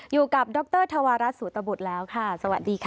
อยู่กับดรธวารัสสุตบุตรแล้วค่ะสวัสดีค่ะ